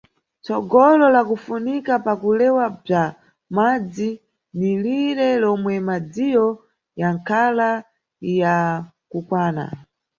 Tsogolo lakufunika pa kulewa bza madzi ni lire lomwe madziyo yanʼkhala ya kukwana.